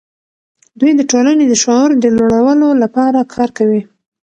دوی د ټولنې د شعور د لوړولو لپاره کار کوي.